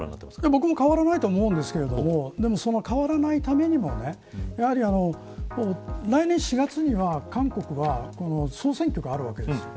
僕も変わらないと思うんですけどその変わらないためにも来年４月には韓国は総選挙があるわけです。